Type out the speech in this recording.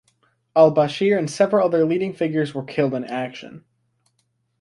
Al-Bashir and several other leading figures were killed in action.